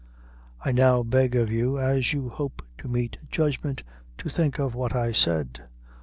I now beg of you, as you hope to meet judgment, to think of what I said.